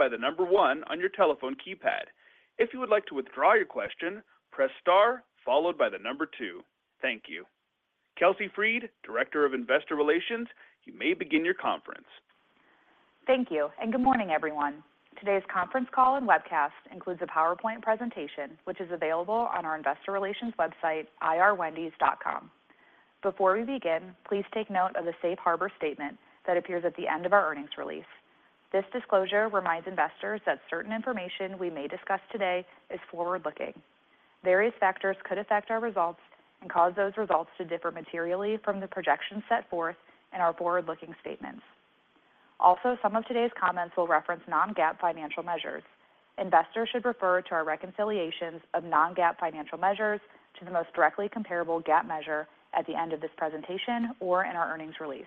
by the number one on your telephone keypad. If you would like to withdraw your question, press star, followed by the number two. Thank you. Kelsey Freed, Director of Investor Relations, you may begin your conference. Thank you, and good morning, everyone. Today's conference call and webcast includes a PowerPoint presentation, which is available on our investor relations website, irwendys.com. Before we begin, please take note of the safe harbor statement that appears at the end of our earnings release. This disclosure reminds investors that certain information we may discuss today is forward-looking. Various factors could affect our results and cause those results to differ materially from the projections set forth in our forward-looking statements. Some of today's comments will reference non-GAAP financial measures. Investors should refer to our reconciliations of non-GAAP financial measures to the most directly comparable GAAP measure at the end of this presentation or in our earnings release.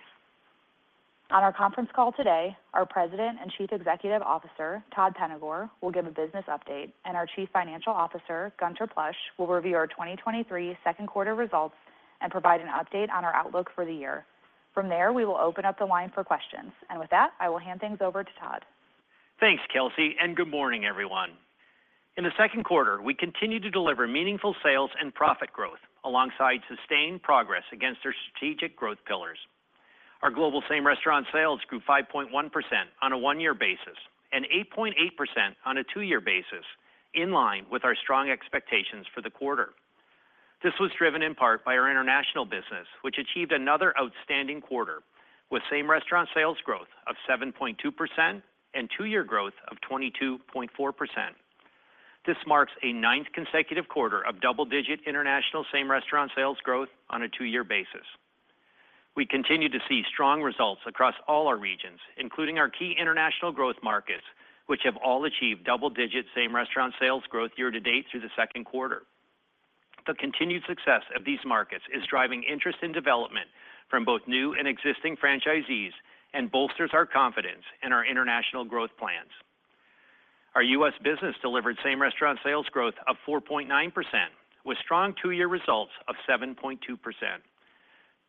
On our conference call today, our President and Chief Executive Officer, Todd Penegor, will give a business update, and our Chief Financial Officer, Gunther Plosch, will review our 2023 second quarter results and provide an update on our outlook for the year. From there, we will open up the line for questions. With that, I will hand things over to Todd. Thanks, Kelsey. Good morning, everyone. In the second quarter, we continued to deliver meaningful sales and profit growth alongside sustained progress against our strategic growth pillars. Our global same-restaurant sales grew 5.1% on a one-year basis and 8.8% on a two-year basis, in line with our strong expectations for the quarter. This was driven in part by our international business, which achieved another outstanding quarter with same-restaurant sales growth of 7.2% and two-year growth of 22.4%. This marks a ninth consecutive quarter of double-digit international same-restaurant sales growth on a two-year basis. We continue to see strong results across all our regions, including our key international growth markets, which have all achieved double-digit same-restaurant sales growth year to date through the second quarter. The continued success of these markets is driving interest in development from both new and existing franchisees and bolsters our confidence in our international growth plans. Our U.S. business delivered same-restaurant sales growth of 4.9%, with strong two-year results of 7.2%.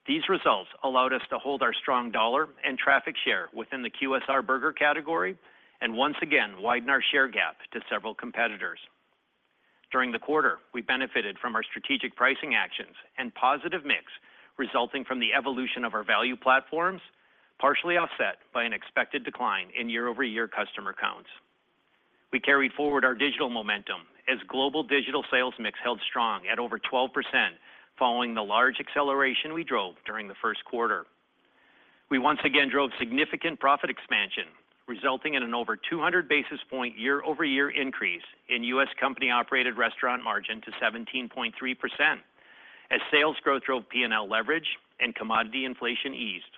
These results allowed us to hold our strong dollar and traffic share within the QSR burger category and once again widen our share gap to several competitors. During the quarter, we benefited from our strategic pricing actions and positive mix resulting from the evolution of our value platforms, partially offset by an expected decline in year-over-year customer counts. We carried forward our digital momentum as global digital sales mix held strong at over 12%, following the large acceleration we drove during the first quarter. We once again drove significant profit expansion, resulting in an over 200 basis point year-over-year increase in U.S. company-operated restaurant margin to 17.3%, as sales growth drove P&L leverage and commodity inflation eased.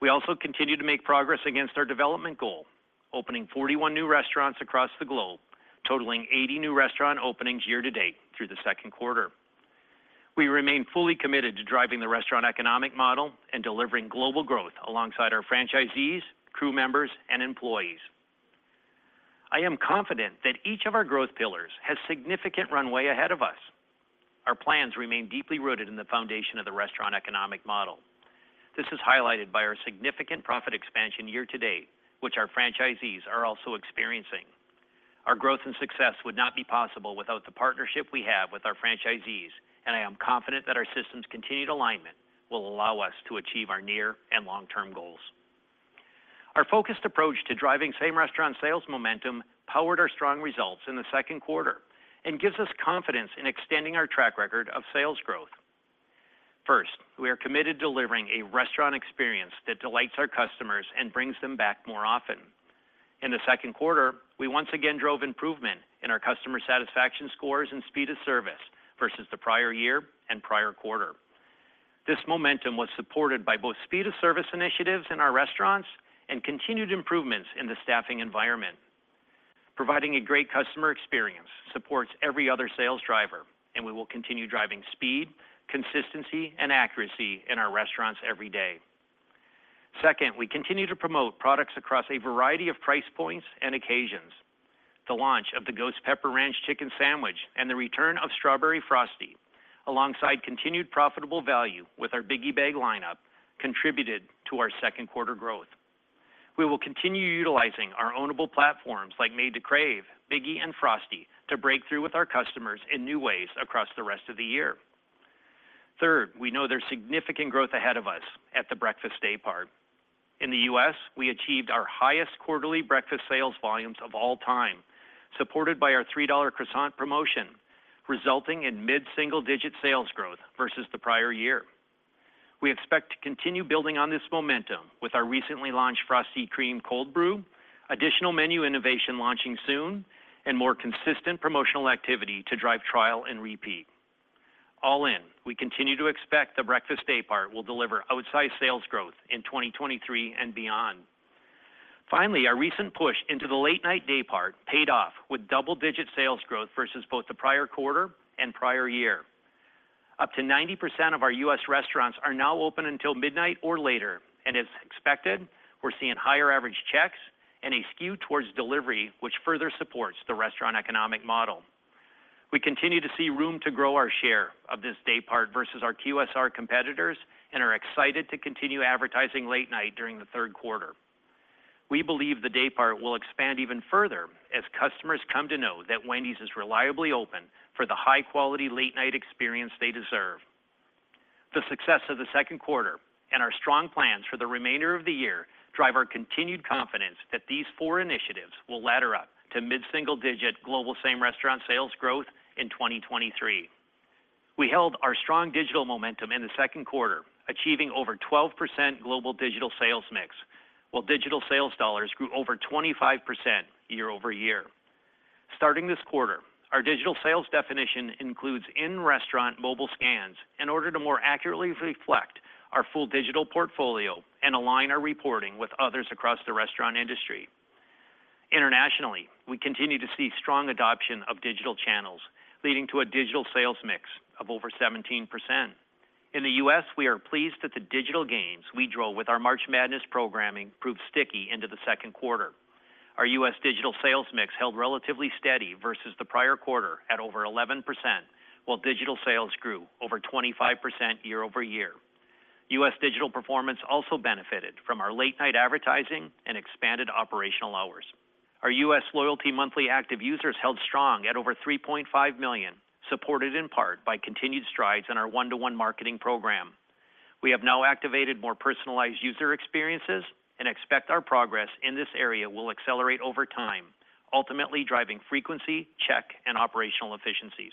We also continued to make progress against our development goal, opening 41 new restaurants across the globe, totaling 80 new restaurant openings year to date through the second quarter. We remain fully committed to driving the restaurant economic model and delivering global growth alongside our franchisees, crew members, and employees. I am confident that each of our growth pillars has significant runway ahead of us. Our plans remain deeply rooted in the foundation of the restaurant economic model. This is highlighted by our significant profit expansion year to date, which our franchisees are also experiencing. Our growth and success would not be possible without the partnership we have with our franchisees. I am confident that our systems' continued alignment will allow us to achieve our near and long-term goals. Our focused approach to driving same-restaurant sales momentum powered our strong results in the second quarter and gives us confidence in extending our track record of sales growth. First, we are committed to delivering a restaurant experience that delights our customers and brings them back more often. In the second quarter, we once again drove improvement in our customer satisfaction scores and speed of service versus the prior year and prior quarter. This momentum was supported by both speed of service initiatives in our restaurants and continued improvements in the staffing environment. Providing a great customer experience supports every other sales driver, and we will continue driving speed, consistency, and accuracy in our restaurants every day. Second, we continue to promote products across a variety of price points and occasions. The launch of the Ghost Pepper Ranch Chicken Sandwich and the return of Strawberry Frosty, alongside continued profitable value with our Biggie Bag lineup, contributed to our second quarter growth. We will continue utilizing our ownable platforms like Made to Crave, Biggie, and Frosty to break through with our customers in new ways across the rest of the year. Third, we know there's significant growth ahead of us at the breakfast day part. In the U.S., we achieved our highest quarterly breakfast sales volumes of all time, supported by our $3 croissant promotion, resulting in mid-single-digit sales growth versus the prior year. We expect to continue building on this momentum with our recently launched Frosty Cream Cold Brew, additional menu innovation launching soon, and more consistent promotional activity to drive trial and repeat. All in, we continue to expect the breakfast day part will deliver outsized sales growth in 2023 and beyond. Finally, our recent push into the late night day part paid off with double-digit sales growth versus both the prior quarter and prior year. Up to 90% of our US restaurants are now open until midnight or later, and as expected, we're seeing higher average checks and a skew towards delivery, which further supports the restaurant economic model. We continue to see room to grow our share of this day part versus our QSR competitors and are excited to continue advertising late night during the third quarter. We believe the day part will expand even further as customers come to know that Wendy's is reliably open for the high-quality, late-night experience they deserve. The success of the second quarter and our strong plans for the remainder of the year drive our continued confidence that these four initiatives will ladder up to mid-single-digit global same-restaurant sales growth in 2023. We held our strong digital momentum in the second quarter, achieving over 12% global digital sales mix, while digital sales dollars grew over 25% year-over-year. Starting this quarter, our digital sales definition includes in-restaurant mobile scans in order to more accurately reflect our full digital portfolio and align our reporting with others across the restaurant industry. Internationally, we continue to see strong adoption of digital channels, leading to a digital sales mix of over 17%. In the U.S., we are pleased that the digital gains we drove with our March Madness programming proved sticky into the second quarter. Our U.S. digital sales mix held relatively steady versus the prior quarter at over 11%, while digital sales grew over 25% year-over-year. U.S. digital performance also benefited from our late-night advertising and expanded operational hours. Our U.S. loyalty monthly active users held strong at over 3.5 million, supported in part by continued strides in our one-to-one marketing program. We have now activated more personalized user experiences and expect our progress in this area will accelerate over time, ultimately driving frequency, check, and operational efficiencies.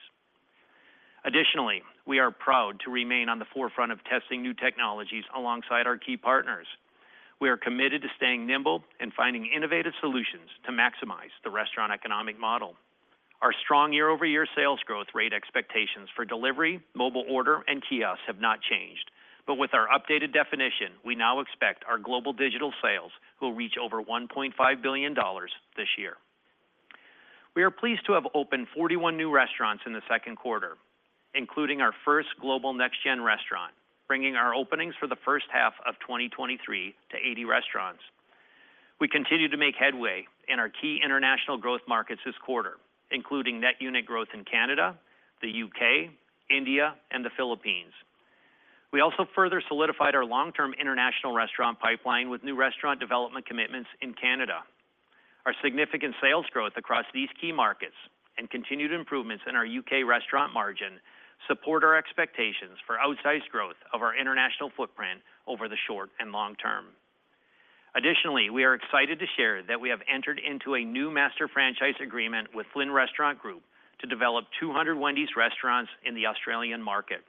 Additionally, we are proud to remain on the forefront of testing new technologies alongside our key partners. We are committed to staying nimble and finding innovative solutions to maximize the restaurant economic model. Our strong year-over-year sales growth rate expectations for delivery, mobile order, and kiosk have not changed, but with our updated definition, we now expect our global digital sales will reach over $1.5 billion this year. We are pleased to have opened 41 new restaurants in the second quarter, including our first Global Next Gen restaurant, bringing our openings for the first half of 2023 to 80 restaurants. We continue to make headway in our key international growth markets this quarter, including net unit growth in Canada, the U.K., India, and the Philippines. We also further solidified our long-term international restaurant pipeline with new restaurant development commitments in Canada. Our significant sales growth across these key markets and continued improvements in our U.K. restaurant margin support our expectations for outsized growth of our international footprint over the short and long term. Additionally, we are excited to share that we have entered into a new master franchise agreement with Flynn Restaurant Group to develop 200 Wendy's restaurants in the Australian market.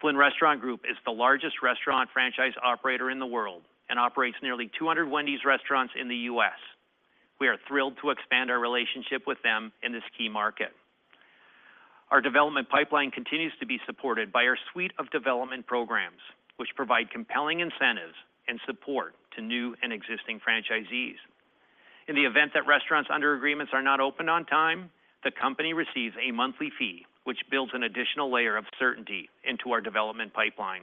Flynn Restaurant Group is the largest restaurant franchise operator in the world and operates nearly 200 Wendy's restaurants in the U.S. We are thrilled to expand our relationship with them in this key market. Our development pipeline continues to be supported by our suite of development programs, which provide compelling incentives and support to new and existing franchisees. In the event that restaurants under agreements are not open on time, the company receives a monthly fee, which builds an additional layer of certainty into our development pipeline.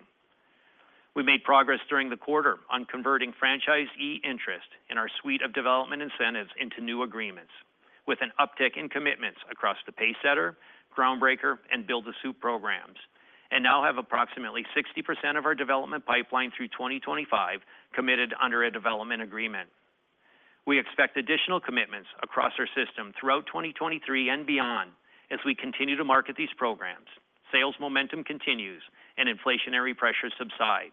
We made progress during the quarter on converting franchisee interest in our suite of development incentives into new agreements with an uptick in commitments across the Pacesetter, Groundbreaker, and Build-to-Suit programs, and now have approximately 60% of our development pipeline through 2025 committed under a development agreement. We expect additional commitments across our system throughout 2023 and beyond as we continue to market these programs, sales momentum continues, and inflationary pressures subside.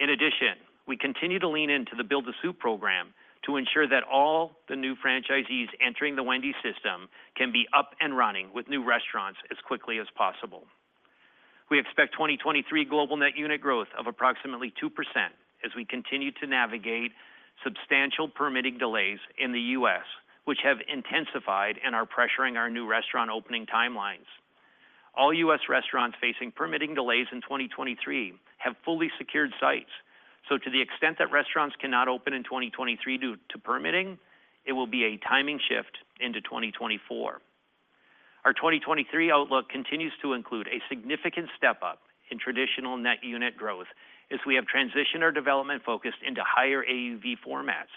In addition, we continue to lean into the Build-to-Suit program to ensure that all the new franchisees entering the Wendy's system can be up and running with new restaurants as quickly as possible. We expect 2023 global net unit growth of approximately 2% as we continue to navigate substantial permitting delays in the U.S., which have intensified and are pressuring our new restaurant opening timelines. All U.S. restaurants facing permitting delays in 2023 have fully secured sites, to the extent that restaurants cannot open in 2023 due to permitting, it will be a timing shift into 2024. Our 2023 outlook continues to include a significant step up in traditional net unit growth as we have transitioned our development focus into higher AUV formats.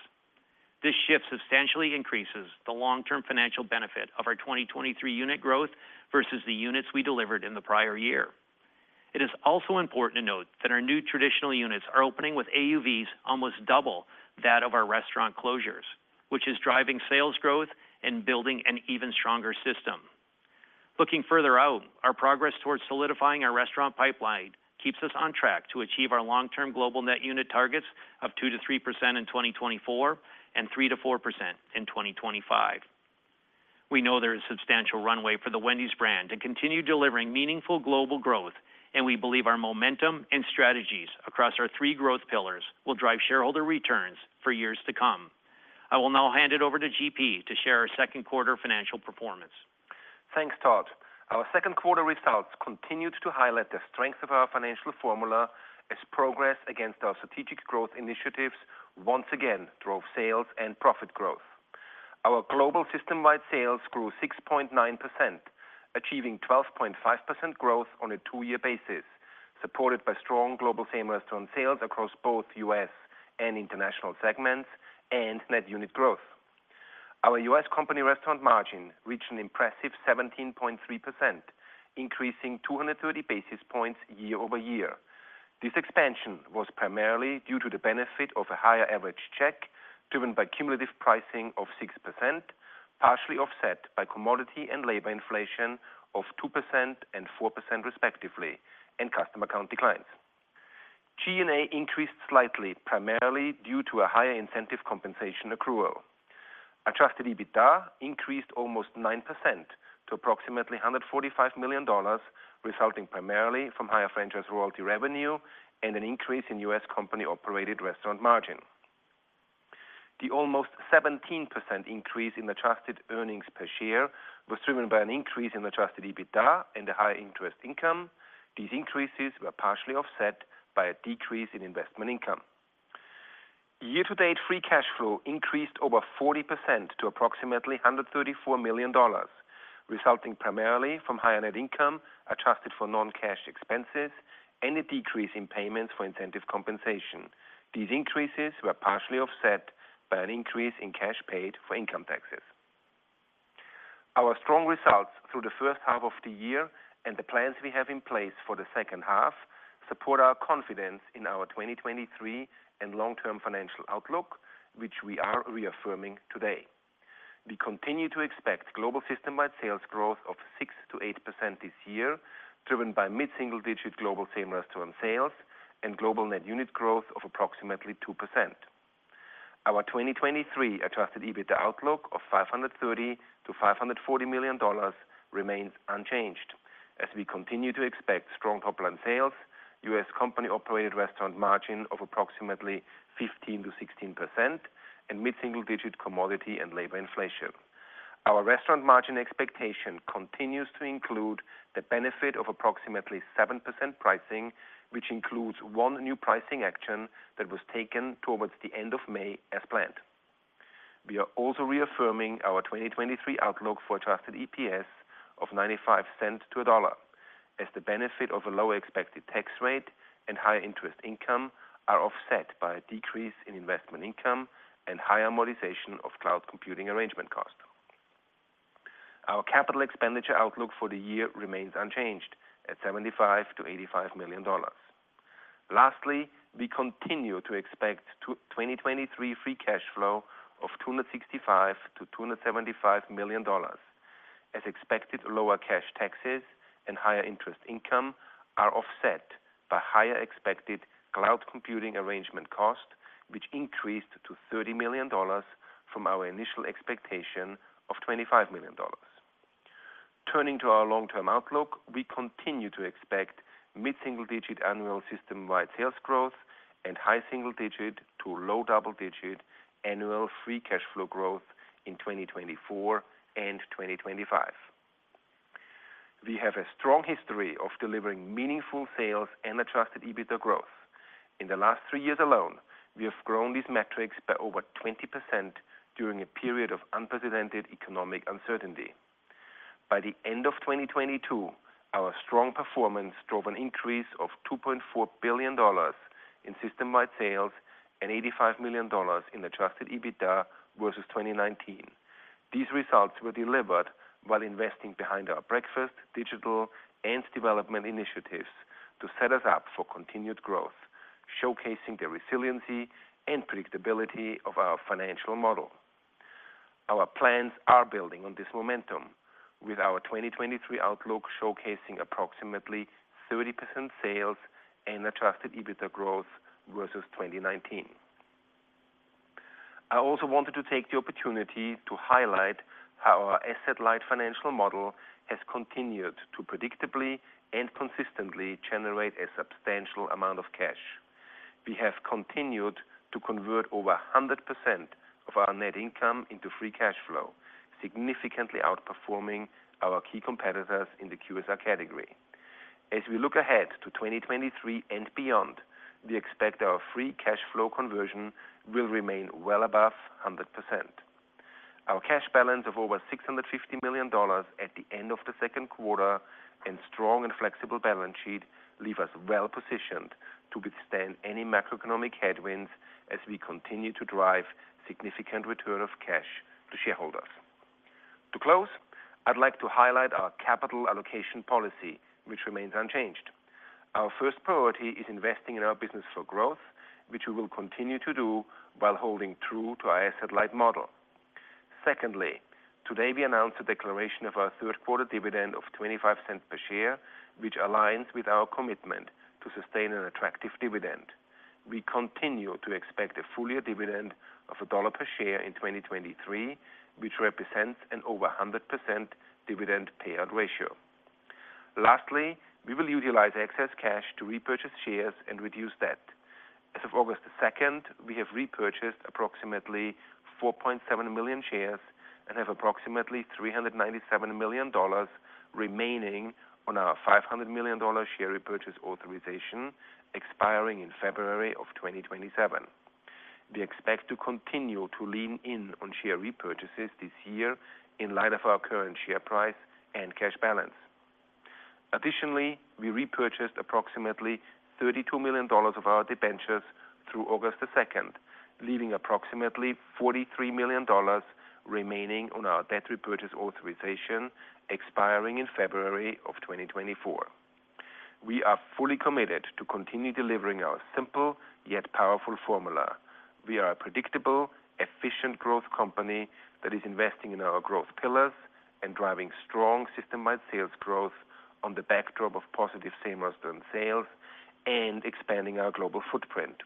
This shift substantially increases the long-term financial benefit of our 2023 unit growth versus the units we delivered in the prior year. It is also important to note that our new traditional units are opening with AUVs almost double that of our restaurant closures, which is driving sales growth and building an even stronger system. Looking further out, our progress towards solidifying our restaurant pipeline keeps us on track to achieve our long-term global net unit targets of 2%-3% in 2024 and 3%-4% in 2025. We know there is substantial runway for the Wendy's brand to continue delivering meaningful global growth, and we believe our momentum and strategies across our three growth pillars will drive shareholder returns for years to come. I will now hand it over to GP to share our second quarter financial performance. Thanks, Todd. Our second quarter results continued to highlight the strength of our financial formula as progress against our strategic growth initiatives once again drove sales and profit growth. Our global system-wide sales grew 6.9%, achieving 12.5% growth on a two-year basis, supported by strong global same-restaurant sales across both U.S. and international segments and net unit growth. Our U.S. company restaurant margin reached an impressive 17.3%, increasing 230 basis points year-over-year. This expansion was primarily due to the benefit of a higher average check, driven by cumulative pricing of 6%, partially offset by commodity and labor inflation of 2% and 4%, respectively, and customer count declines. G&A increased slightly, primarily due to a higher incentive compensation accrual. Adjusted EBITDA increased almost 9% to approximately $145 million, resulting primarily from higher franchise royalty revenue and an increase in US company-operated restaurant margin. The almost 17% increase in adjusted earnings per share was driven by an increase in Adjusted EBITDA and a higher interest income. These increases were partially offset by a decrease in investment income. Year-to-date, free cash flow increased over 40% to approximately $134 million, resulting primarily from higher net income, adjusted for non-cash expenses, and a decrease in payments for incentive compensation. These increases were partially offset by an increase in cash paid for income taxes. Our strong results through the first half of the year and the plans we have in place for the second half, support our confidence in our 2023 and long-term financial outlook, which we are reaffirming today. We continue to expect global system-wide sales growth of 6%-8% this year, driven by mid-single-digit global same-restaurant sales and global net unit growth of approximately 2%. Our 2023 Adjusted EBITDA outlook of $530 million-540 million remains unchanged, as we continue to expect strong topline sales, U.S. company-operated restaurant margin of approximately 15%-16%, and mid-single-digit commodity and labor inflation. Our restaurant margin expectation continues to include the benefit of approximately 7% pricing, which includes one new pricing action that was taken towards the end of May as planned. We are also reaffirming our 2023 outlook for adjusted EPS of $0.95-1.00, as the benefit of a lower expected tax rate and higher interest income are offset by a decrease in investment income and higher amortization of cloud computing arrangement cost. Our capital expenditure outlook for the year remains unchanged at $75 million-85 million. Lastly, we continue to expect 2023 free cash flow of $265 million-275 million, as expected lower cash taxes and higher interest income are offset by higher expected cloud computing arrangement cost, which increased to $30 million from our initial expectation of $25 million. Turning to our long-term outlook, we continue to expect mid-single digit annual system-wide sales growth and high single digit to low double-digit annual free cash flow growth in 2024 and 2025. We have a strong history of delivering meaningful sales and Adjusted EBITDA growth. In the last three years alone, we have grown these metrics by over 20% during a period of unprecedented economic uncertainty. By the end of 2022, our strong performance drove an increase of $2.4 billion in system-wide sales and $85 million in Adjusted EBITDA versus 2019. These results were delivered while investing behind our breakfast, digital, and development initiatives to set us up for continued growth, showcasing the resiliency and predictability of our financial model. Our plans are building on this momentum, with our 2023 outlook showcasing approximately 30% sales and Adjusted EBITDA growth versus 2019. I also wanted to take the opportunity to highlight how our asset-light financial model has continued to predictably and consistently generate a substantial amount of cash. We have continued to convert over 100% of our net income into free cash flow, significantly outperforming our key competitors in the QSR category. As we look ahead to 2023 and beyond, we expect our free cash flow conversion will remain well above 100%. Our cash balance of over $650 million at the end of the second quarter, and strong and flexible balance sheet, leave us well positioned to withstand any macroeconomic headwinds as we continue to drive significant return of cash to shareholders. To close, I'd like to highlight our capital allocation policy, which remains unchanged. Our first priority is investing in our business for growth, which we will continue to do while holding true to our asset-light model. Secondly, today, we announced a declaration of our third quarter dividend of $0.25 per share, which aligns with our commitment to sustain an attractive dividend. We continue to expect a full year dividend of $1 per share in 2023, which represents an over 100% dividend payout ratio. Lastly, we will utilize excess cash to repurchase shares and reduce debt. As of August 2, we have repurchased approximately 4.7 million shares and have approximately $397 million remaining on our $500 million share repurchase authorization, expiring in February of 2027. We expect to continue to lean in on share repurchases this year in light of our current share price and cash balance. We repurchased approximately $32 million of our debentures through August 2, leaving approximately $43 million remaining on our debt repurchase authorization, expiring in February of 2024. We are fully committed to continue delivering our simple, yet powerful formula. We are a predictable, efficient growth company that is investing in our growth pillars and driving strong system-wide sales growth on the backdrop of positive same-store sales and expanding our global footprint.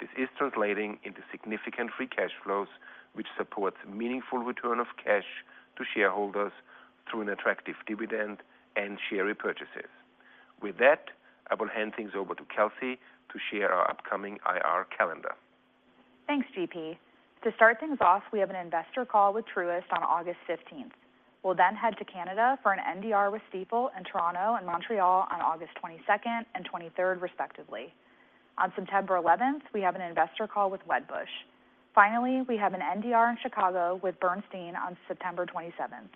This is translating into significant free cash flows, which supports meaningful return of cash to shareholders through an attractive dividend and share repurchases. With that, I will hand things over to Kelsey to share our upcoming IR calendar. Thanks, GP. Start things off, we have an investor call with Truist on August 15th. We'll head to Canada for an NDR with Stifel in Toronto and Montreal on August 22nd and 23rd, respectively. September 11th, we have an investor call with Wedbush. We have an NDR in Chicago with Bernstein on September 27th.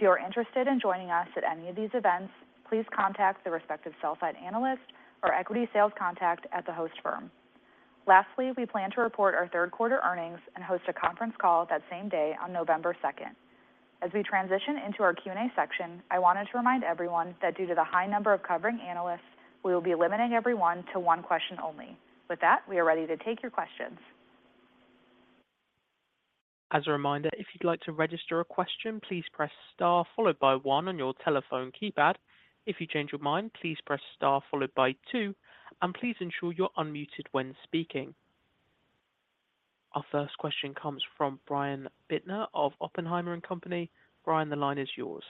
You are interested in joining us at any of these events, please contact the respective sell side analyst or equity sales contact at the host firm. We plan to report our 3rd quarter earnings and host a conference call that same day on November 2nd. We transition into our Q&A section, I wanted to remind everyone that due to the high number of covering analysts, we will be limiting everyone to 1 question only. We are ready to take your questions. As a reminder, if you'd like to register a question, please press star followed by one on your telephone keypad. If you change your mind, please press star followed by two, and please ensure you're unmuted when speaking. Our first question comes from Brian Bittner of Oppenheimer & Company. Brian, the line is yours.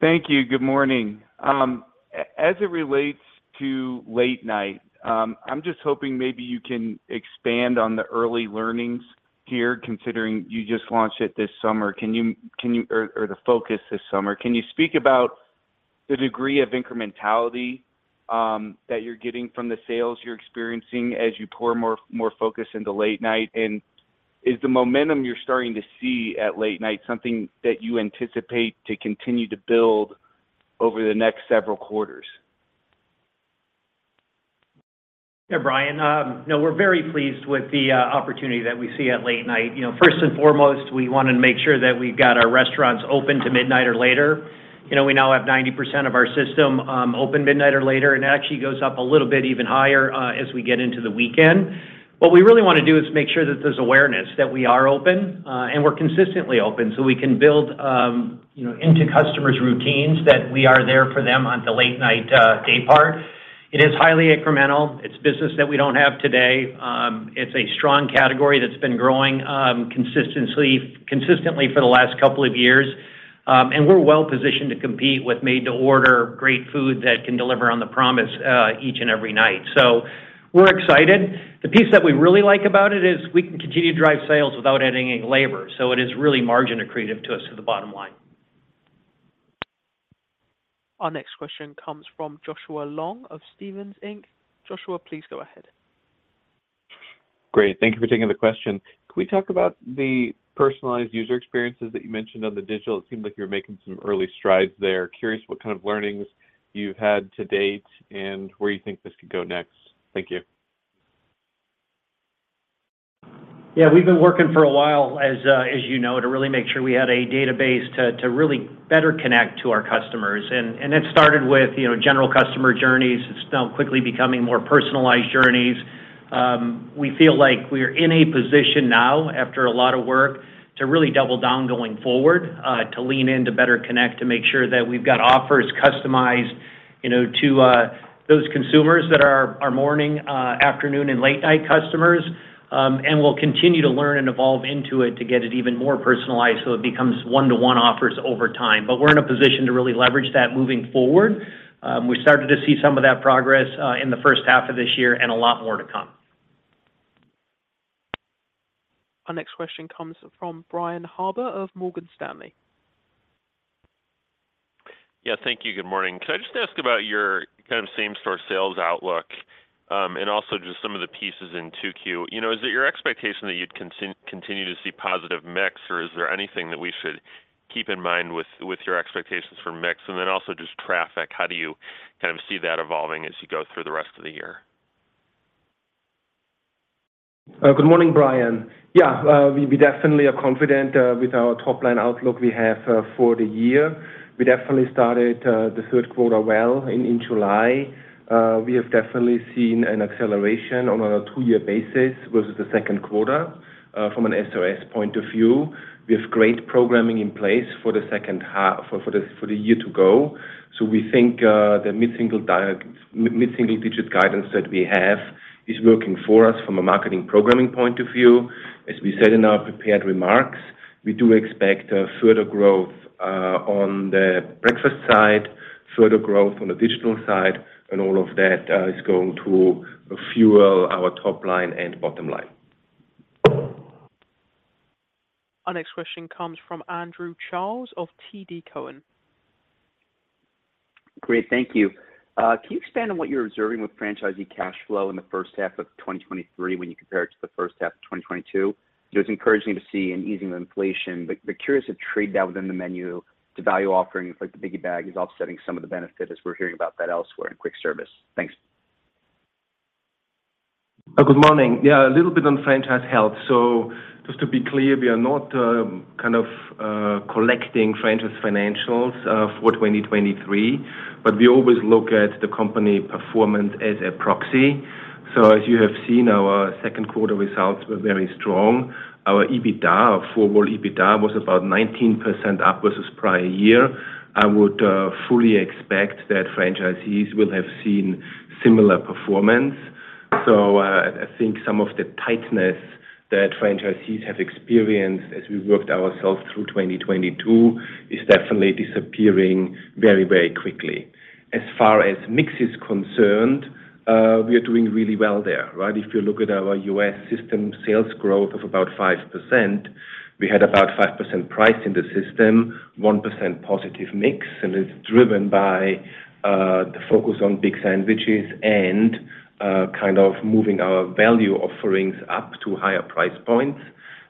Thank you. Good morning. As it relates to late night, I'm just hoping maybe you can expand on the early learnings here, considering you just launched it this summer. Can you, or the focus this summer. Can you speak about the degree of incrementality that you're getting from the sales you're experiencing as you pour more, more focus into late night? Is the momentum you're starting to see at late night, something that you anticipate to continue to build over the next several quarters? Yeah, Brian. No, we're very pleased with the opportunity that we see at late night. You know, first and foremost, we wanted to make sure that we've got our restaurants open to midnight or later. You know, we now have 90% of our system open midnight or later, and it actually goes up a little bit even higher as we get into the weekend. What we really wanna do is make sure that there's awareness that we are open and we're consistently open, so we can build, you know, into customers' routines that we are there for them on the late night day part. It is highly incremental. It's business that we don't have today. It's a strong category that's been growing consistently for the last couple of years. We're well-positioned to compete with made-to-order, great food that can deliver on the promise, each and every night. We're excited. The piece that we really like about it is we can continue to drive sales without adding any labor. It is really margin accretive to us to the bottom line. Our next question comes from Joshua Long of Stephens, Inc. Joshua, please go ahead. Great, thank you for taking the question. Can we talk about the personalized user experiences that you mentioned on the digital? It seemed like you were making some early strides there. Curious what kind of learnings you've had to date and where you think this could go next? Thank you. Yeah, we've been working for a while, as you know, to really make sure we had a database to, to really better connect to our customers. It started with, you know, general customer journeys. It's now quickly becoming more personalized journeys. We feel like we are in a position now, after a lot of work, to really double down going forward, to lean in, to better connect, to make sure that we've got offers customized, you know, to those consumers that are our morning, afternoon, and late-night customers. We'll continue to learn and evolve into it to get it even more personalized, so it becomes one-to-one offers over time. We're in a position to really leverage that moving forward. We started to see some of that progress, in the first half of this year, and a lot more to come. Our next question comes from Brian Harbour of Morgan Stanley. Yeah. Thank you. Good morning. Can I just ask about your kind of same-store sales outlook, and also just some of the pieces in 2Q? You know, is it your expectation that you'd continue to see positive mix, or is there anything that we should keep in mind with, with your expectations for mix? Also just traffic, how do you kind of see that evolving as you go through the rest of the year? Good morning, Brian. Yeah, we, we definitely are confident with our top-line outlook we have for the year. We definitely started the third quarter well in July. We have definitely seen an acceleration on a two-year basis versus the second quarter from an SOS point of view. We have great programming in place for the second half. For the year to go. We think the mid-single digit guidance that we have is working for us from a marketing programming point of view. As we said in our prepared remarks, we do expect further growth on the breakfast side, further growth on the digital side, and all of that is going to fuel our top line and bottom line. Our next question comes from Andrew Charles of TD Cowen. Great. Thank you. Can you expand on what you're observing with franchisee cash flow in the first half of 2023 when you compare it to the first half of 2022? It was encouraging to see an easing of inflation, but, but curious to trade that within the menu to value offerings, like the Biggie Bag, is offsetting some of the benefit as we're hearing about that elsewhere in quick service? Thanks. Good morning. Yeah, a little bit on franchise health. Just to be clear, we are not kind of collecting franchise financials for 2023, but we always look at the company performance as a proxy. As you have seen, our second quarter results were very strong. Our EBITDA, four-wall EBITDA, was about 19% up versus prior year. I would fully expect that franchisees will have seen similar performance. I think some of the tightness that franchisees have experienced as we worked ourselves through 2022 is definitely disappearing very, very quickly. As far as mix is concerned, we are doing really well there, right? If you look at our U.S. system sales growth of about 5%, we had about 5% price in the system, 1% positive mix, and it's driven by, the focus on big sandwiches and, kind of moving our value offerings up to higher price points.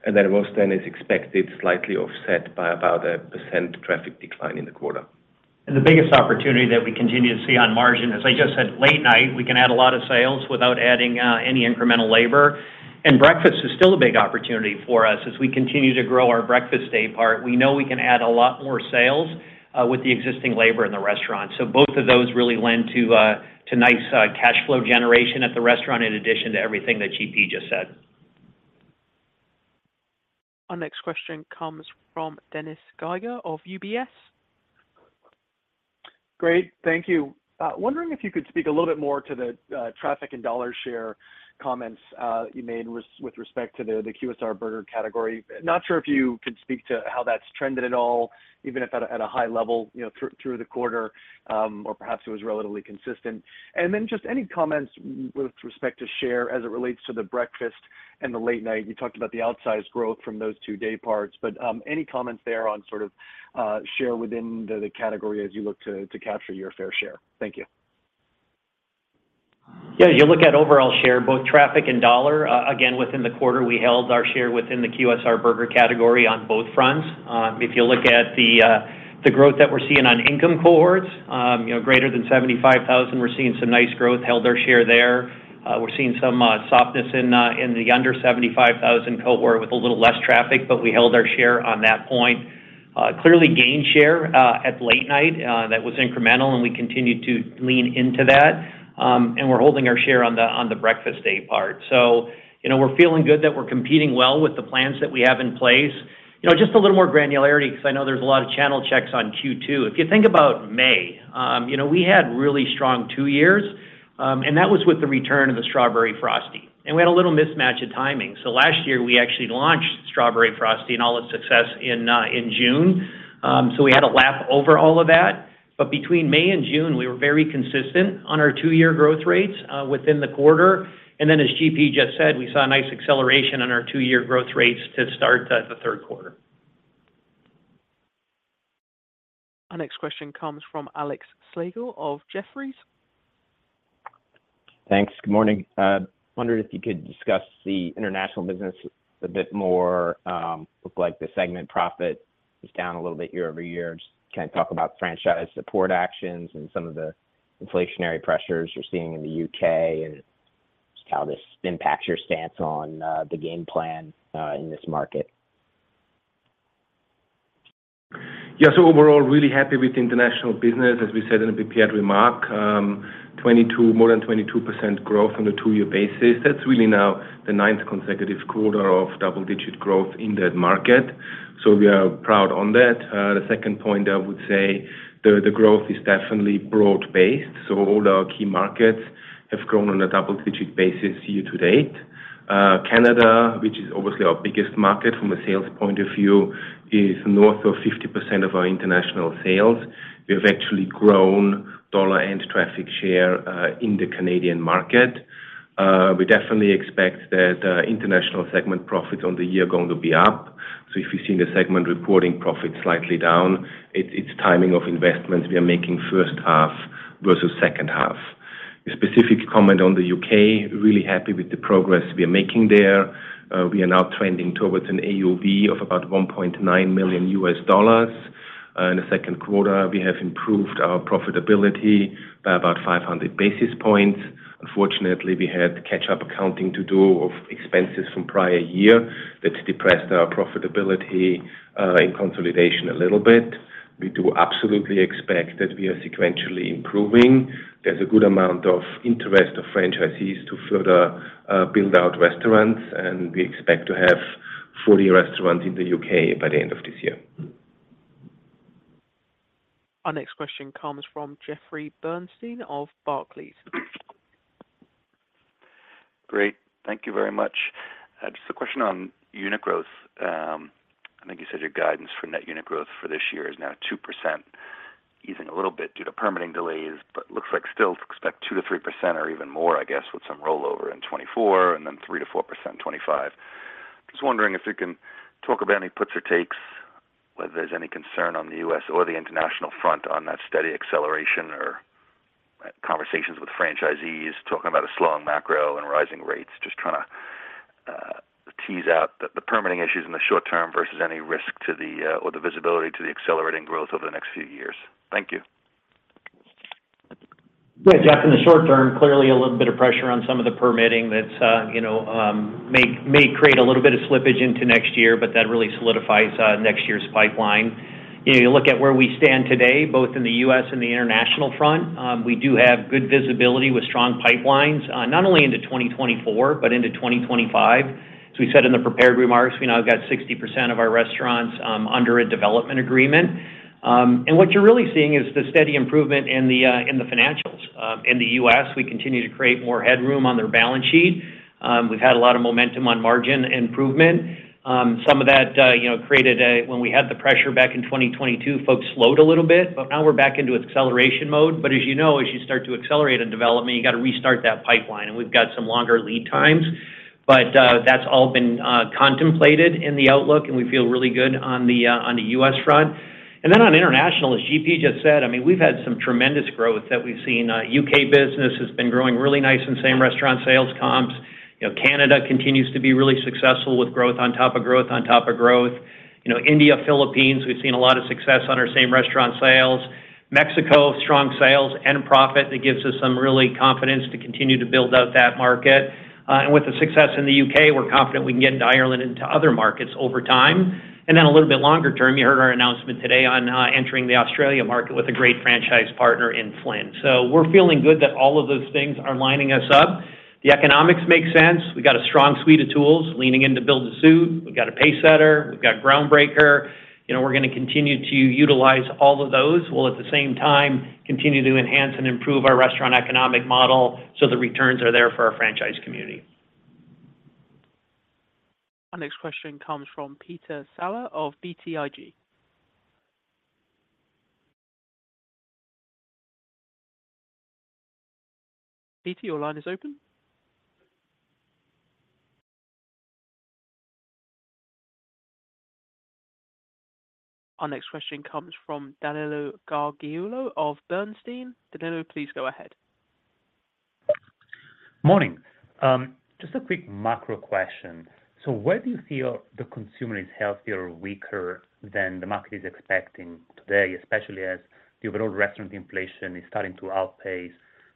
That was then is expected, slightly offset by about a 1% traffic decline in the quarter. The biggest opportunity that we continue to see on margin, as I just said, late night, we can add a lot of sales without adding any incremental labor. Breakfast is still a big opportunity for us as we continue to grow our breakfast day part. We know we can add a lot more sales with the existing labor in the restaurant. Both of those really lend to nice cash flow generation at the restaurant, in addition to everything that GP just said. Our next question comes from Dennis Geiger of UBS. Great. Thank you. Wondering if you could speak a little bit more to the traffic and dollar share comments, you made with respect to the QSR burger category. Not sure if you could speak to how that's trended at all, even if at a, at a high level, you know, through, through the quarter, or perhaps it was relatively consistent. Then just any comments with respect to share as it relates to the breakfast and the late night. You talked about the outsized growth from those two-day parts, but any comments there on sort of share within the category as you look to, to capture your fair share? Thank you. Yeah, you look at overall share, both traffic and dollar, again, within the quarter, we held our share within the QSR burger category on both fronts. If you look at the growth that we're seeing on income cohorts, you know, greater than $75,000, we're seeing some nice growth, held our share there. We're seeing some softness in the under $75,000 cohort with a little less traffic, but we held our share on that point. Clearly gained share at late night, that was incremental, and we continued to lean into that, and we're holding our share on the breakfast day part. You know, we're feeling good that we're competing well with the plans that we have in place. You know, just a little more granularity, because I know there's a lot of channel checks on Q2. If you think about May, you know, we had really strong two years, and that was with the return of the Strawberry Frosty. We had a little mismatch in timing. Last year, we actually launched Strawberry Frosty and all its success in June. We had a lap over all of that. Between May and June, we were very consistent on our two-year growth rates within the quarter. As GP just said, we saw a nice acceleration on our two-year growth rates to start the 3rd quarter. Our next question comes from Alex Slagle of Jefferies. Thanks. Good morning. wondered if you could discuss the international business a bit more. looked like the segment profit was down a little bit year-over-year. Just can you talk about franchise support actions and some of the inflationary pressures you're seeing in the U.K., and just how this impacts your stance on the game plan in this market? Yeah, so overall, really happy with the international business. As we said in the prepared remark, more than 22% growth on a two-year basis. That's really now the ninth consecutive quarter of double-digit growth in that market. We are proud on that. The second point, I would say, the growth is definitely broad-based. All our key markets have grown on a double-digit basis year to date. Canada, which is obviously our biggest market from a sales point of view, is north of 50% of our international sales. We've actually grown dollar and traffic share in the Canadian market. We definitely expect that international segment profits on the year are going to be up. If you've seen the segment reporting profits slightly down, it's timing of investments we are making first half versus second half. A specific comment on the U.K., really happy with the progress we are making there. We are now trending towards an AUV of about $1.9 million. In the second quarter, we have improved our profitability by about 500 basis points. Unfortunately, we had catch-up accounting to do of expenses from prior year. That's depressed our profitability in consolidation a little bit. We do absolutely expect that we are sequentially improving. There's a good amount of interest of franchisees to further build out restaurants, and we expect to have 40 restaurants in the U.K. by the end of this year. Our next question comes from Jeffrey Bernstein of Barclays. Great. Thank you very much. Just a question on unit growth. I think you said your guidance for net unit growth for this year is now 2%. Wasing a little bit due to permitting delays, looks like still expect 2%-3% or even more, I guess, with some rollover in 2024 and then 3%-4% in 2025. Just wondering if you can talk about any puts or takes, whether there's any concern on the U.S. or the international front on that steady acceleration, or conversations with franchisees talking about a slowing macro and rising rates? Just trying to tease out the permitting issues in the short term versus any risk to or the visibility to the accelerating growth over the next few years. Thank you. Yeah, Jeff, in the short term, clearly a little bit of pressure on some of the permitting that's, you know, may, may create a little bit of slippage into next year, but that really solidifies next year's pipeline. You know, you look at where we stand today, both in the US and the international front, we do have good visibility with strong pipelines, not only into 2024, but into 2025. We said in the prepared remarks, we now got 60% of our restaurants under a development agreement. What you're really seeing is the steady improvement in the financials. In the US, we continue to create more headroom on their balance sheet. We've had a lot of momentum on margin improvement. Some of that, you know, created when we had the pressure back in 2022, folks slowed a little bit, but now we're back into acceleration mode. As you know, as you start to accelerate in development, you got to restart that pipeline, and we've got some longer lead times. That's all been contemplated in the outlook, and we feel really good on the U.S. front. On international, as GP just said, I mean, we've had some tremendous growth that we've seen. U.K. business has been growing really nice in same-restaurant sales comps. You know, Canada continues to be really successful with growth on top of growth on top of growth. You know, India, Philippines, we've seen a lot of success on our same-restaurant sales. Mexico, strong sales and profit, that gives us some really confidence to continue to build out that market. With the success in the U.K., we're confident we can get into Ireland and to other markets over time. A little bit longer term, you heard our announcement today on entering the Australia market with a great franchise partner in Flynn. We're feeling good that all of those things are lining us up. The economics make sense. We got a strong suite of tools leaning in to Build-to-Suit. We've got a Pacesetter, we've got Groundbreaker. You know, we're going to continue to utilize all of those, while at the same time, continue to enhance and improve our restaurant economic model so the returns are there for our franchise community. Our next question comes from Peter Saleh of BTIG. Peter, your line is open. Our next question comes from Danilo Gargiulo of Bernstein. Danilo, please go ahead. Morning. Just a quick macro question. Where do you feel the consumer is healthier or weaker than the market is expecting today, especially as you have it all restaurant inflation is starting to outpace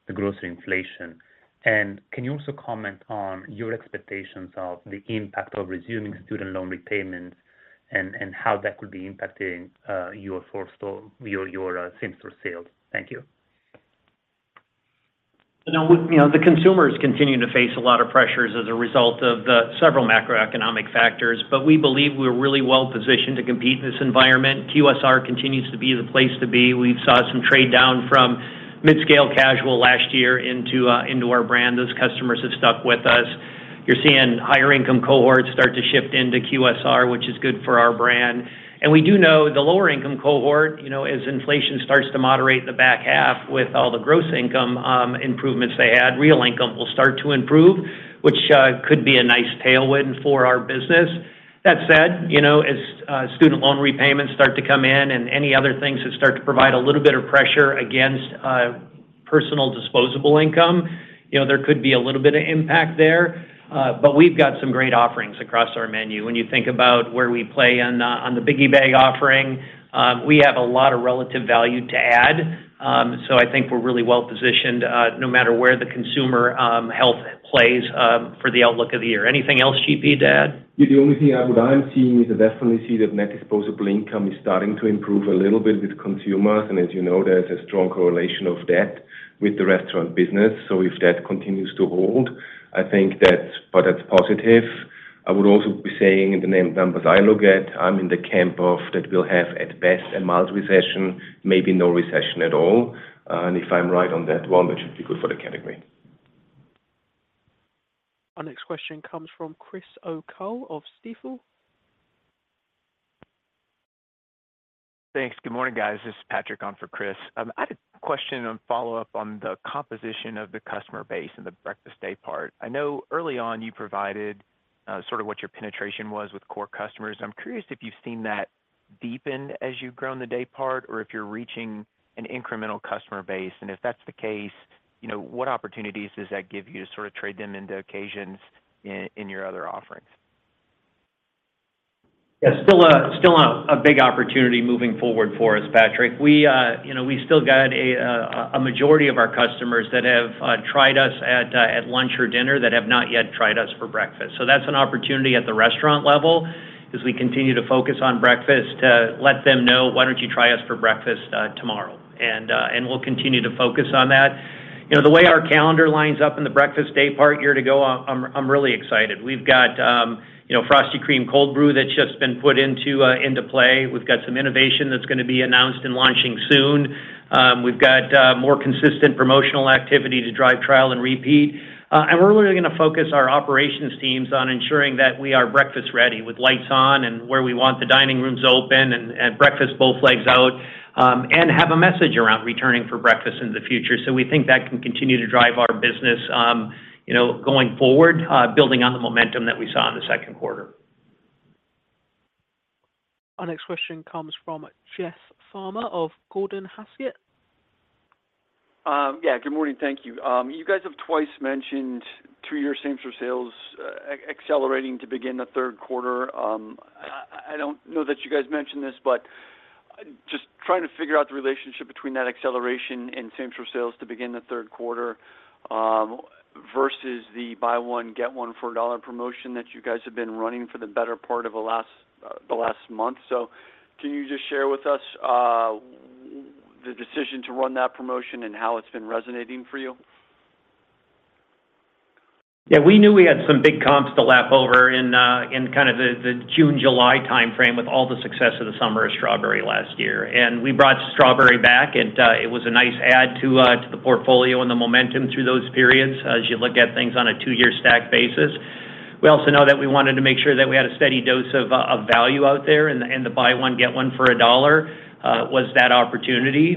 the grocery inflation? Can you also comment on your expectations of the impact of resuming student loan repayments and how that could be impacting, your fourth quarter, your same-store sales? Thank you. You know, the consumers continue to face a lot of pressures as a result of the several macroeconomic factors. We believe we're really well positioned to compete in this environment. QSR continues to be the place to be. We've saw some trade down from mid-scale casual last year into our brand as customers have stuck with us. You're seeing higher income cohorts start to shift into QSR, which is good for our brand. We do know the lower income cohort, you know, as inflation starts to moderate in the back half with all the gross income improvements they had, real income will start to improve, which could be a nice tailwind for our business. That said, you know, as student loan repayments start to come in and any other things that start to provide a little bit of pressure against personal disposable income, you know, there could be a little bit of impact there, but we've got some great offerings across our menu. When you think about where we play on the Biggie Bag offering, we have a lot of relative value to add. I think we're really well positioned, no matter where the consumer health plays, for the outlook of the year. Anything else, GP, to add? Yeah, the only thing I would-- I'm seeing is definitely see that net disposable income is starting to improve a little bit with consumers, and as you know, there's a strong correlation of debt with the restaurant business. If that continues to hold, I think that's. But that's positive. I would also be saying in the name-- numbers I look at, I'm in the camp of that we'll have, at best, a mild recession, maybe no recession at all. If I'm right on that one, that should be good for the category. Our next question comes from Chris O'Cull of Stifel. Thanks. Good morning, guys. This is Patrick on for Chris. I had a question on follow-up on the composition of the customer base and the breakfast day part. I know early on you provided, sort of what your penetration was with core customers. I'm curious if you've seen that deepen as you've grown the day part, or if you're reaching an incremental customer base. If that's the case, you know, what opportunities does that give you to sort of trade them into occasions in, in your other offerings? Yeah, still a big opportunity moving forward for us, Patrick. We, you know, we still got a majority of our customers that have tried us at lunch or dinner that have not yet tried us for breakfast. That's an opportunity at the restaurant level, as we continue to focus on breakfast, to let them know, "Why don't you try us for breakfast, tomorrow?" We'll continue to focus on that. You know, the way our calendar lines up in the breakfast day part year to go, I'm really excited. We've got, you know, Frosty Cream Cold Brew that's just been put into play. We've got some innovation that's going to be announced and launching soon. We've got more consistent promotional activity to drive trial and repeat. We're really going to focus our operations teams on ensuring that we are breakfast ready, with lights on and where we want the dining rooms open and, and breakfast both legs out, and have a message around returning for breakfast in the future. We think that can continue to drive our business, you know, going forward, building on the momentum that we saw in the second quarter. Our next question comes from Jeff Farmer of Gordon Haskett. Yeah, good morning. Thank you. You guys have twice mentioned three-year same-store sales accelerating to begin the third quarter. I don't know that you guys mentioned this, but just trying to figure out the relationship between that acceleration in same-store sales to begin the third quarter versus the buy one, get one for a $1 promotion that you guys have been running for the better part of the last, the last month. Can you just share with us the decision to run that promotion and how it's been resonating for you? Yeah, we knew we had some big comps to lap over in kind of the June, July time frame, with all the success of the summer of strawberry last year. We brought strawberry back, and it was a nice add to the portfolio and the momentum through those periods, as you look at things on a two-year stack basis. We also know that we wanted to make sure that we had a steady dose of value out there, and the buy one, get one for $1 was that opportunity.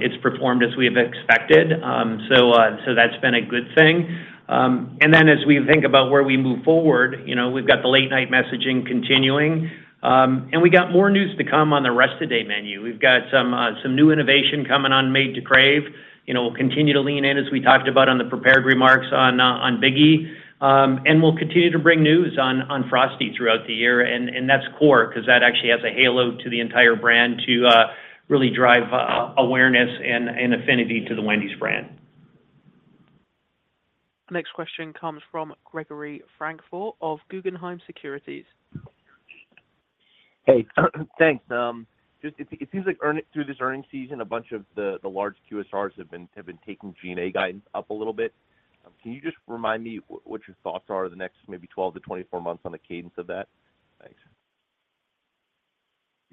It's performed as we have expected? That's been a good thing? Then as we think about where we move forward, you know, we've got the late night messaging continuing. We got more news to come on the rest of the day menu. We've got some new innovation coming on Made to Crave. You know, we'll continue to lean in, as we talked about on the prepared remarks on Biggie. We'll continue to bring news on Frosty throughout the year, and that's core, 'cause that actually adds a halo to the entire brand to really drive awareness and affinity to the Wendy's brand. Next question comes from Gregory Francfort of Guggenheim Securities. Hey, thanks. Just it, it seems like through this earnings season, a bunch of the, the large QSRs have been, have been taking G&A guidance up a little bit. Can you just remind me what your thoughts are the next maybe 12 to 24 months on the cadence of that? Thanks.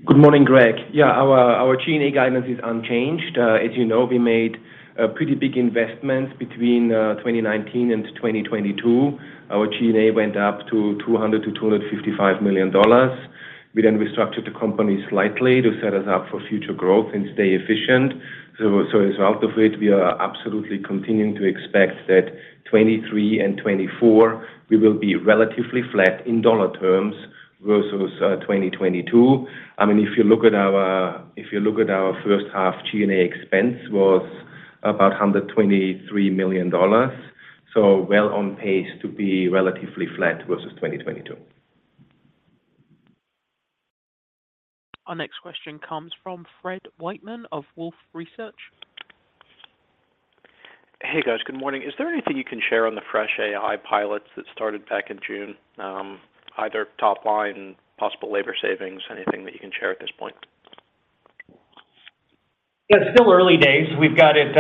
Good morning, Greg. Yeah, our, our G&A guidance is unchanged. As you know, we made a pretty big investment between 2019 and 2022. Our G&A went up to $200 million-255 million. We then restructured the company slightly to set us up for future growth and stay efficient. As a result of it, we are absolutely continuing to expect that 2023 and 2024, we will be relatively flat in dollar terms versus 2022. I mean, if you look at our, if you look at our first half, G&A expense was about $123 million, so well on pace to be relatively flat versus 2022. Our next question comes from Fred Wightman of Wolfe Research. Hey, guys. Good morning. Is there anything you can share on the Wendy's FreshAI pilots that started back in June, either top line, possible labor savings, anything that you can share at this point? Yeah, it's still early days. We've got it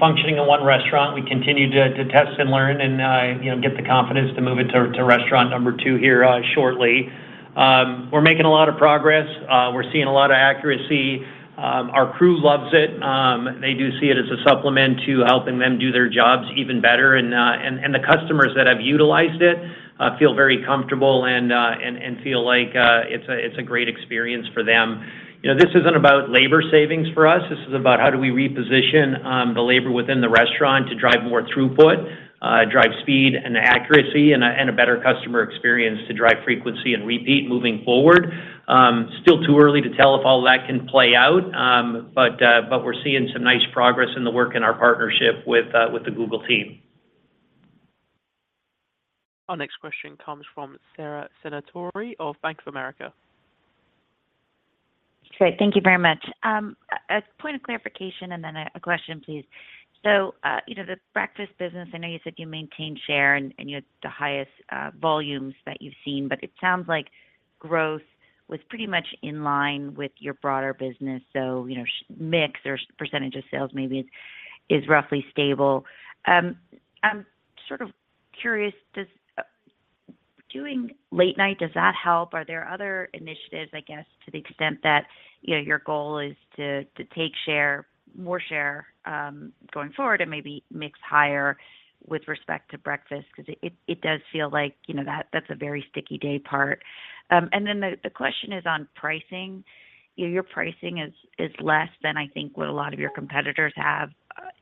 functioning in one restaurant. We continue to, to test and learn, you know, get the confidence to move it to, to restaurant number two here shortly. We're making a lot of progress. We're seeing a lot of accuracy. Our crew loves it. They do see it as a supplement to helping them do their jobs even better. The customers that have utilized it feel very comfortable and feel like it's a great experience for them. You know, this isn't about labor savings for us. This is about how do we reposition the labor within the restaurant to drive more throughput, drive speed and accuracy, and a, and a better customer experience to drive frequency and repeat moving forward. Still too early to tell if all that can play out, but we're seeing some nice progress in the work and our partnership with the Google team. Our next question comes from Sara Senatore of Bank of America. Great. Thank you very much. A point of clarification and then a, a question, please. You know, the breakfast business, I know you said you maintained share and, and you had the highest volumes that you've seen, but it sounds like growth was pretty much in line with your broader business. You know, mix or percentage of sales maybe is, is roughly stable. I'm sort of curious, doing late night, does that help? Are there other initiatives, I guess, to the extent that, you know, your goal is to, to take share, more share, going forward and maybe mix higher with respect to breakfast, 'cause it, it does feel like, you know, that, that's a very sticky day part. And then the, the question is on pricing. You know, your pricing is, is less than I think what a lot of your competitors have.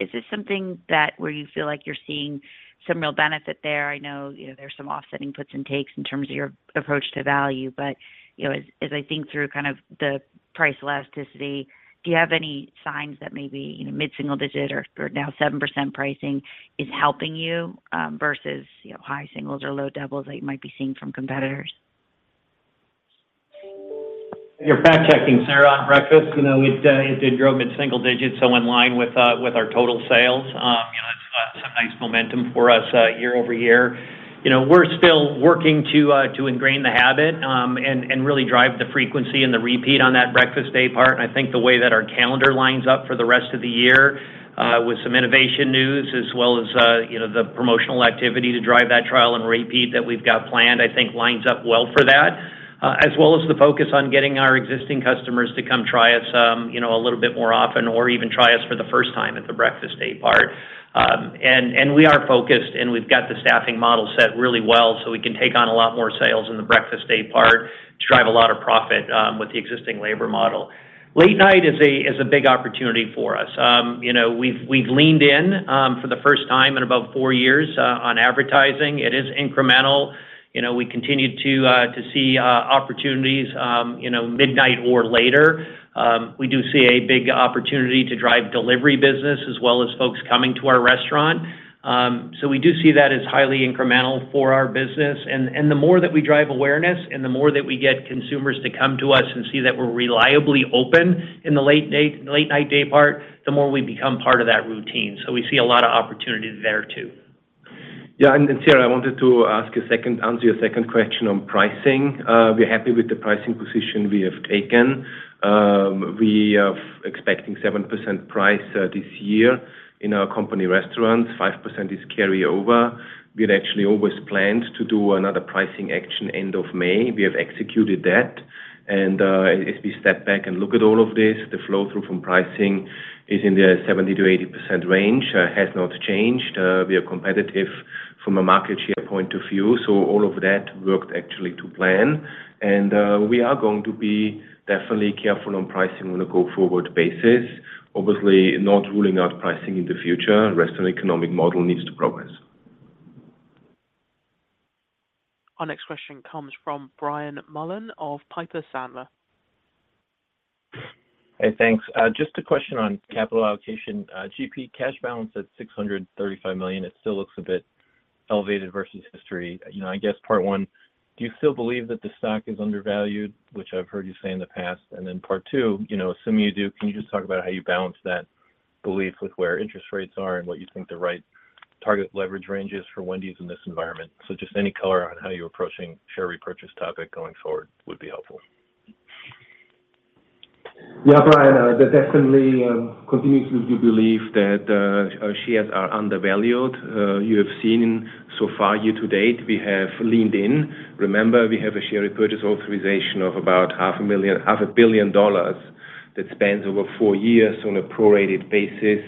Is this something that where you feel like you're seeing some real benefit there? I know, you know, there's some offsetting puts and takes in terms of your approach to value, but, you know, as, as I think through kind of the price elasticity, do you have any signs that maybe, you know, mid-single digit or, or now 7% pricing is helping you, versus, you know, high singles or low doubles that you might be seeing from competitors? Your fact checking, Sara, on breakfast, you know, it, it did grow mid-single digit, so in line with, with our total sales. You know, that's, some nice momentum for us, year-over-year. You know, we're still working to, to ingrain the habit, and, and really drive the frequency and the repeat on that breakfast day part. I think the way that our calendar lines up for the rest of the year, with some innovation news, as well as, you know, the promotional activity to drive that trial and repeat that we've got planned, I think lines up well for that. As well as the focus on getting our existing customers to come try us, you know, a little bit more often, or even try us for the first time at the breakfast day part. We are focused, and we've got the staffing model set really well, so we can take on a lot more sales in the breakfast day part to drive a lot of profit with the existing labor model. Late night is a big opportunity for us. You know, we've leaned in for the first time in about 4 years on advertising. It is incremental. You know, we continue to see opportunities, you know, midnight or later. We do see a big opportunity to drive delivery business as well as folks coming to our restaurant. We do see that as highly incremental for our business. The more that we drive awareness and the more that we get consumers to come to us and see that we're reliably open in the late night, late night day part, the more we become part of that routine. We see a lot of opportunity there, too. Yeah, Sara, I wanted to answer your second question on pricing. We're happy with the pricing position we have taken. We are expecting 7% price this year in our company restaurants. 5% is carryover. We had actually always planned to do another pricing action end of May. We have executed that, as we step back and look at all of this, the flow-through from pricing is in the 70%-80% range, has not changed. We are competitive from a market share point of view, all of that worked actually to plan. We are going to be definitely careful on pricing on a go-forward basis. Obviously, not ruling out pricing in the future, restaurant economic model needs to progress. Our next question comes from Brian Mullan of Piper Sandler. Hey, thanks. Just a question on capital allocation. GP cash balance at $635 million, it still looks a bit elevated versus history. You know, I guess part one, do you still believe that the stock is undervalued, which I've heard you say in the past? Then part two, you know, assuming you do, can you just talk about how you balance that belief with where interest rates are and what you think the right target leverage range is for Wendy's in this environment? Just any color on how you're approaching share repurchase topic going forward would be helpful. Yeah, Brian, that definitely continues to be belief that our shares are undervalued. You have seen so far year to date, we have leaned in. Remember, we have a share repurchase authorization of about $500 million that spans over four years on a prorated basis.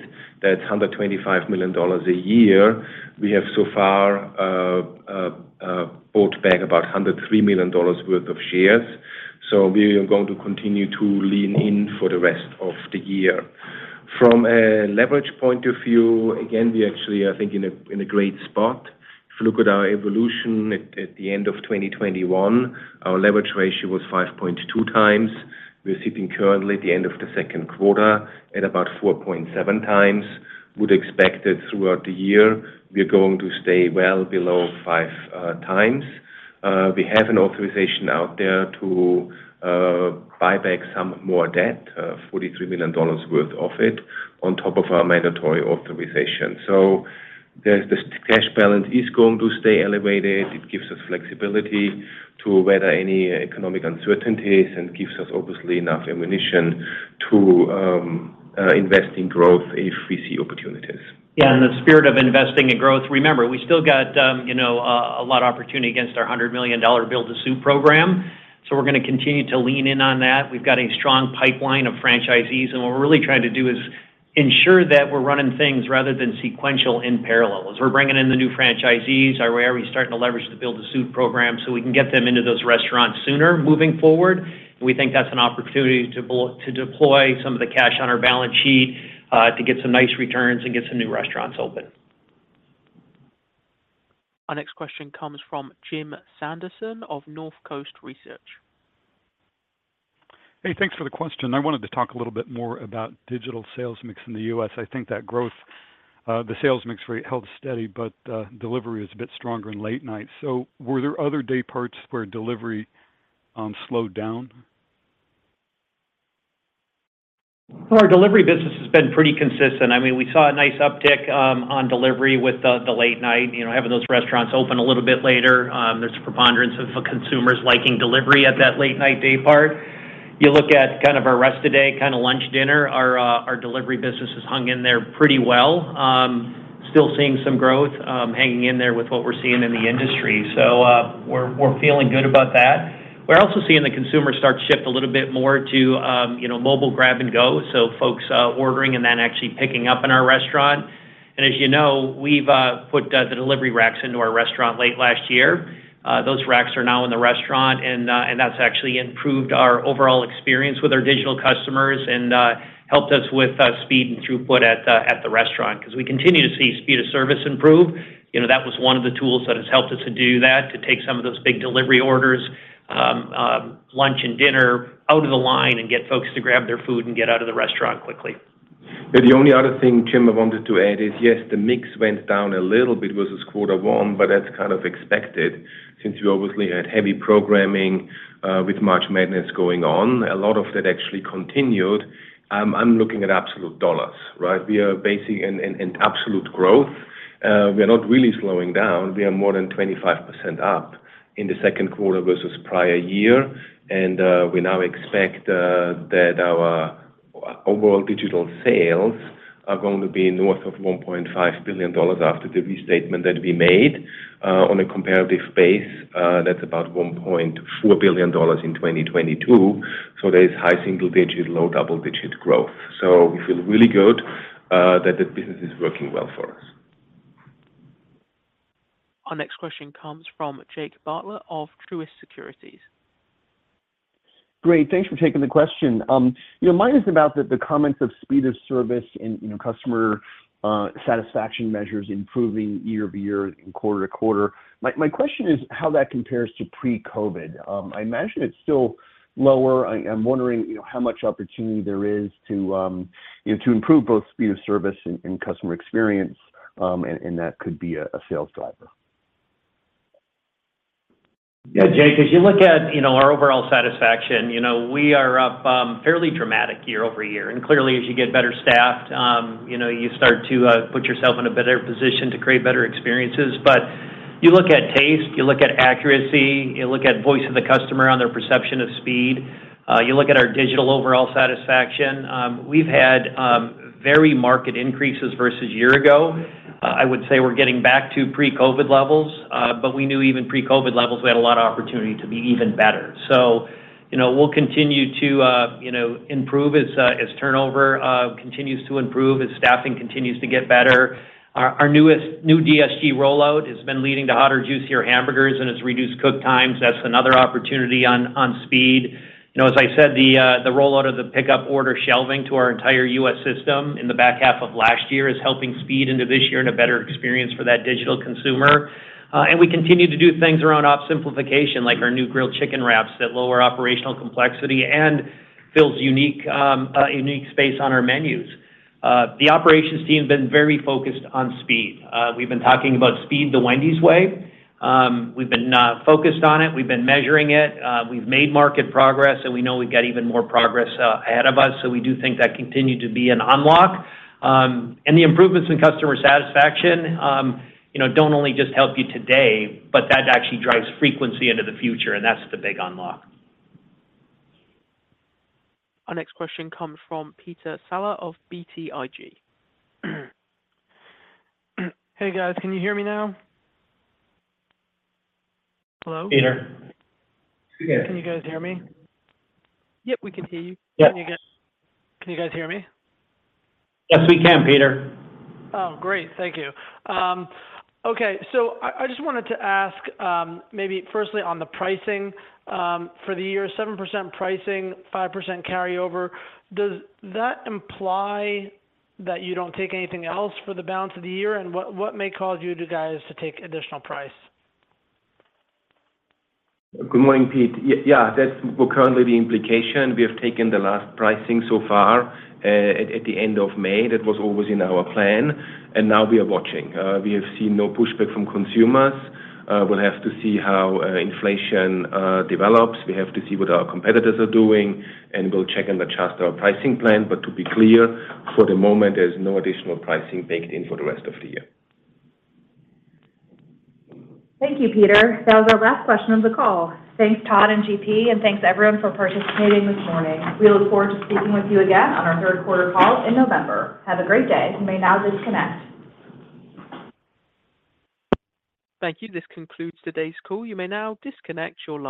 That's $125 million a year. We have so far bought back about $103 million worth of shares, so we are going to continue to lean in for the rest of the year. From a leverage point of view, again, we actually are thinking in a great spot. If you look at our evolution at the end of 2021, our leverage ratio was 5.2 times. We're sitting currently at the end of the second quarter at about 4.7 times. Would expect that throughout the year we are going to stay well below 5 times. We have an authorization out there to buy back some more debt, $43 million worth of it, on top of our mandatory authorization. Cash balance is going to stay elevated. It gives us flexibility to weather any economic uncertainties and gives us, obviously, enough ammunition to invest in growth if we see opportunities. In the spirit of investing in growth, remember, we still got, you know, a lot of opportunity against our $100 million Build-to-Suit program, so we're gonna continue to lean in on that. We've got a strong pipeline of franchisees, and what we're really trying to do is ensure that we're running things rather than sequential in parallel. As we're bringing in the new franchisees, are we already starting to leverage the Build-to-Suit program so we can get them into those restaurants sooner moving forward? We think that's an opportunity to deploy some of the cash on our balance sheet, to get some nice returns and get some new restaurants open. Our next question comes from Jim Sanderson of Northcoast Research. Hey, thanks for the question. I wanted to talk a little bit more about digital sales mix in the U.S. I think that growth, the sales mix rate held steady, but delivery is a bit stronger in late night. Were there other day parts where delivery slowed down? Our delivery business has been pretty consistent. I mean, we saw a nice uptick on delivery with the, the late night. You know, having those restaurants open a little bit later, there's a preponderance of consumers liking delivery at that late night day part. You look at kind of our rest of day, kind of lunch, dinner, our delivery business has hung in there pretty well. Still seeing some growth, hanging in there with what we're seeing in the industry. We're, we're feeling good about that. We're also seeing the consumer start to shift a little bit more to, you know, mobile grab and go, so folks ordering and then actually picking up in our restaurant. As you know, we've put the delivery racks into our restaurant late last year. Those racks are now in the restaurant and that's actually improved our overall experience with our digital customers and helped us with speed and throughput at the restaurant. We continue to see speed of service improve. You know, that was one of the tools that has helped us to do that, to take some of those big delivery orders, lunch and dinner out of the line and get folks to grab their food and get out of the restaurant quickly. The only other thing, Jim, I wanted to add is, yes, the mix went down a little bit versus quarter one, but that's kind of expected since we obviously had heavy programming with March Madness going on. A lot of that actually continued. I'm looking at absolute dollars, right? We are basically in, in, in absolute growth, we are not really slowing down. We are more than 25% up in the second quarter versus prior year, and we now expect that our overall digital sales are going to be north of $1.5 billion after the restatement that we made. On a comparative base, that's about $1.4 billion in 2022, so there is high single digit, low double-digit growth. We feel really good that the business is working well for us. Our next question comes from Jake Bartlett of Truist Securities. Great. Thanks for taking the question. You know, mine is about the, the comments of speed of service and, you know, customer satisfaction measures improving year-over-year and quarter-to-quarter. My, my question is how that compares to pre-COVID. I imagine it's still lower. I, I'm wondering, you know, how much opportunity there is to, you know, to improve both speed of service and, and customer experience, and, and that could be a, a sales driver. Yeah, Jake, as you look at, you know, our overall satisfaction, you know, we are up, fairly dramatic year-over-year. Clearly, as you get better staffed, you know, you start to put yourself in a better position to create better experiences. You look at taste, you look at accuracy, you look at voice of the customer on their perception of speed, you look at our digital overall satisfaction, we've had very market increases versus year ago. I would say we're getting back to pre-COVID levels, but we knew even pre-COVID levels, we had a lot of opportunity to be even better. You know, we'll continue to, you know, improve as as turnover continues to improve, as staffing continues to get better. Our, our new DSG rollout has been leading to hotter, juicier hamburgers, and it's reduced cook times. That's another opportunity on, on speed. You know, as I said, the rollout of the pickup order shelving to our entire US system in the back half of last year is helping speed into this year and a better experience for that digital consumer. And we continue to do things around op simplification, like our new Grilled Chicken Wraps that lower operational complexity and fills unique space on our menus. The operations team has been very focused on speed. We've been talking about Speed the Wendy's Way. We've been focused on it. We've been measuring it. We've made market progress, and we know we've got even more progress ahead of us, so we do think that continued to be an unlock. The improvements in customer satisfaction, you know, don't only just help you today, but that actually drives frequency into the future, and that's the big unlock. Our next question comes from Peter Saleh of BTIG. Hey, guys. Can you hear me now? Hello? Peter. Can you guys hear me? Yep, we can hear you. Yep. Can you guys, can you guys hear me? Yes, we can, Peter. Oh, great. Thank you. Okay, so I, I just wanted to ask, maybe firstly on the pricing, for the year, 7% pricing, 5% carryover. Does that imply that you don't take anything else for the balance of the year? What, what may cause you guys to take additional price? Good morning, Pete. Yeah, that's currently the implication. We have taken the last pricing so far, at the end of May. That was always in our plan. Now we are watching. We have seen no pushback from consumers. We'll have to see how inflation develops. We have to see what our competitors are doing. We'll check and adjust our pricing plan. To be clear, for the moment, there's no additional pricing baked in for the rest of the year. Thank you, Peter. That was our last question of the call. Thanks, Todd and GP, and thanks everyone for participating this morning. We look forward to speaking with you again on our third quarter call in November. Have a great day. You may now disconnect. Thank you. This concludes today's call. You may now disconnect your line.